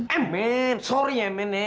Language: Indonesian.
eh men sorry ya men ya